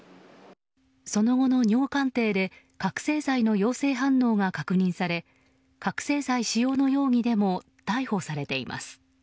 その後の尿鑑定で覚醒剤の陽性反応が確認され覚醒剤使用の容疑でも逮捕されています。